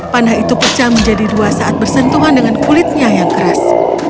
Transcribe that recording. panah itu pecah menjadi dua saat bersentuhan dengan kulitnya yang keras